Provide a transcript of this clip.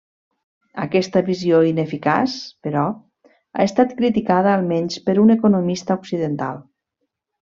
Aquesta visió ineficaç, però, ha estat criticada almenys per un economista occidental.